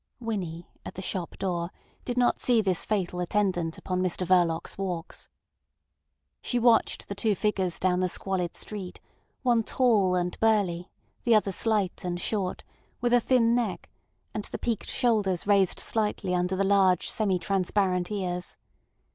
Winnie, at the shop door, did not see this fatal attendant upon Mr Verloc's walks. She watched the two figures down the squalid street, one tall and burly, the other slight and short, with a thin neck, and the peaked shoulders raised slightly under the large semi transparent ears.